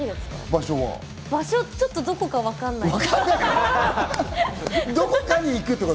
場所、ちょっとどこかわかんない。